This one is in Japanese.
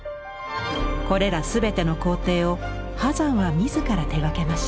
これら全ての工程を波山は自ら手がけました。